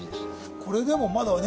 これでもまだね